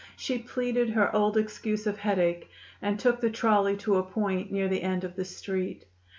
She pleaded her old excuse of headache, and took the trolley to a point near the end of the Street.